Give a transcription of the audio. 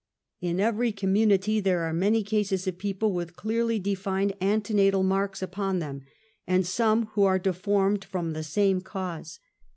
In every community there are many cases of people with clearly defined antenatal marks upon them, and some who are deformed from the same cause.